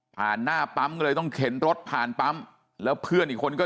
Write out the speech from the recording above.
หน้าปั๊มก็เลยต้องเข็นรถผ่านปั๊มแล้วเพื่อนอีกคนก็